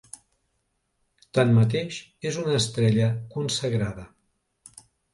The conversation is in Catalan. Tanmateix, és una estrella consagrada.